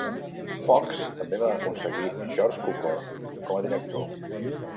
Fox també va aconseguir George Cukor com a director.